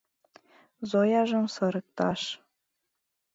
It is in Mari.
Зояжым сырыкташ.